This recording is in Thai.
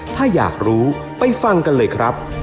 ถ้าอยากรู้ไปฟังกันเลยครับ